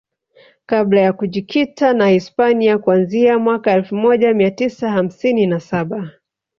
kabla ya kujikita na Hispania kuanzia mwaka elfu moja mia tisa hamsini na saba